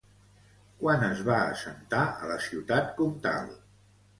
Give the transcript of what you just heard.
Quan es va assentar a la Ciutat Comtal?